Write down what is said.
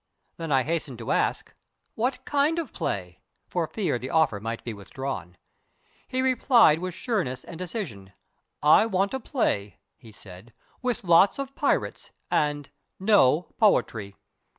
Then I hastened to ask, "What kind of play?" for fear the offer might be withdrawn. He replied with sureness and decision. "I want a play," he said, "with lots of pirates and no poetry."